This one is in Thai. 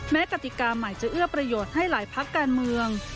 กติกาใหม่จะเอื้อประโยชน์ให้หลายพักการเมือง